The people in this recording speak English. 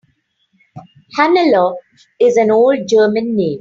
Hannelore is an old German name.